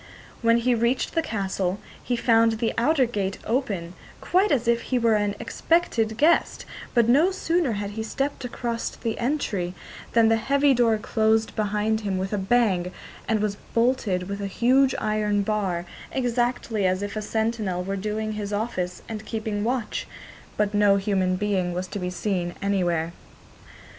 When he reached the castle he found the outer gate open, quite as if he were an expected guest, but no sooner had he stepped across the entry than the heavy door closed behind him with a bang, and was bolted with a huge iron bar, exactly as if a sentinel were doing his office and keeping watch, but no human being was to be seen anywhere.